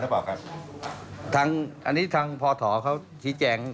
เปล่าครับทางอันนี้ทางพอถอเขาชี้แจง